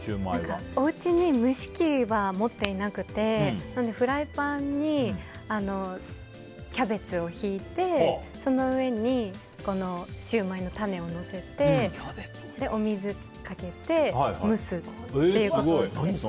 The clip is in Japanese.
おうちに蒸し器は持っていなくてフライパンにキャベツを敷いてその上にシューマイのタネをのせてお水をかけて蒸すっていうことをしてて。